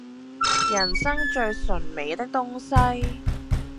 人生最醇美的東西